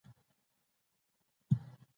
هغه په کتابتون کې کار کاوه.